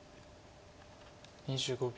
２５秒。